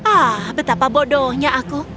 ah betapa bodohnya aku